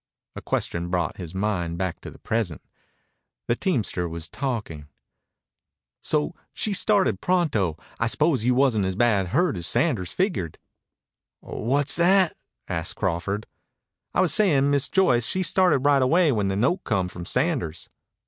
A question brought his mind back to the present. The teamster was talking: "... so she started pronto. I s'pose you wasn't as bad hurt as Sanders figured." "What's that?" asked Crawford. "I was sayin' Miss Joyce she started right away when the note come from Sanders."